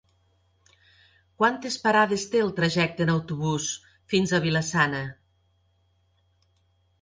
Quantes parades té el trajecte en autobús fins a Vila-sana?